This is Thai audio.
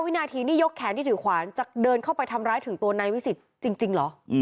วินาทีนี่ยกแขนที่ถือขวานจะเดินเข้าไปทำร้ายถึงตัวนายวิสิทธิ์จริงเหรอ